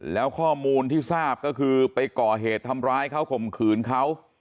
แล้วข้อมูลที่ทราบก็คือไปก่อเหตุทำร้ายเขาข่มขืนเขา